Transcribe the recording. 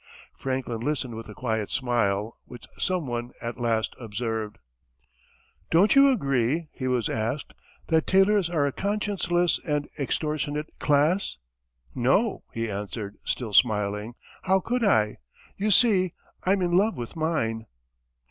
Franklin listened with a quiet smile, which some one at last observed. "Don't you agree," he was asked, "that tailors are a conscienceless and extortionate class?" "No," he answered, still smiling; "how could I? You see, I'm in love with mine."